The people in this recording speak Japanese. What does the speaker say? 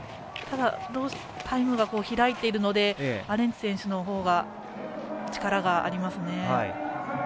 ただ、タイムが開いているのでアレンツ選手のほうが力がありますね。